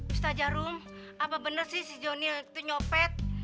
ustaz jarum apa bener sih si jonny yang nyopet